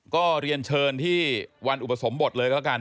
ก็เรียนเชิญที่วันอุปสมบทเลยก็แล้วกัน